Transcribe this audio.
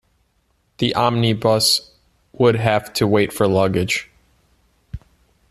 The omnibus would have to wait for luggage.